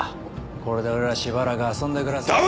これで俺らしばらく遊んで暮らせる。